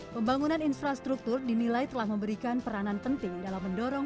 pembangunan infrastruktur dinilai telah memberikan peranan penting dalam mendorong